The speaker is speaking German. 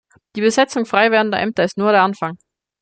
Die Besetzung freiwerdender Ämter ist nur der Anfang.